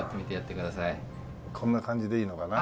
こんな感じでいいのかな？